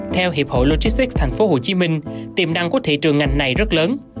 theo hiệp hội logistics tp hcm tiềm năng của thị trường ngành này rất lớn